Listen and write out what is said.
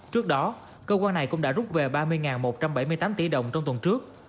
trước đó cơ quan này cũng đã rút về ba mươi một trăm bảy mươi tám tỷ đồng trong tuần trước